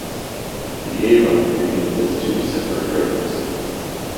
The Avon begins as two separate rivers.